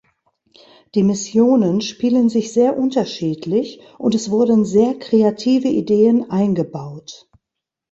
Die Missionen spielen sich sehr unterschiedlich und es wurden sehr kreative Ideen eingebaut.